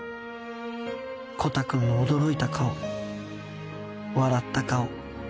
コタくんの驚いた顔笑った顔